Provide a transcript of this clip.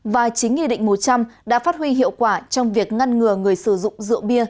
và chính nghị định một trăm linh đã phát huy hiệu quả trong việc ngăn ngừa người sử dụng rượu bia